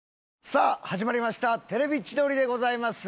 さあ始まりました『テレビ千鳥』でございます。